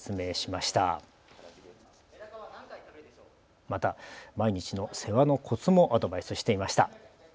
また毎日の世話のこつもアドバイスしていました。